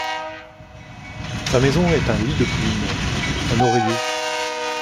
Sa maison est un lit de plume, un oreiller.